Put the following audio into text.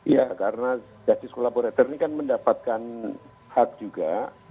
ya karena justice collaborator ini kan mendapatkan hak juga